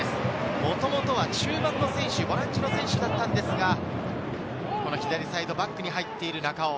もともとは中盤の選手、ボランチの選手だったんですが、左サイドバックに入っている中尾。